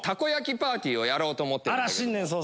パーティーをやろうと思ってるんだけど。